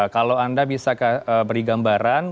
kalau anda bisa beri gambaran